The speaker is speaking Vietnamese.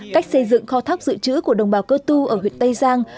cách xây dựng kho thóc dự trữ của đồng bào cơ tu ở huyện tây giang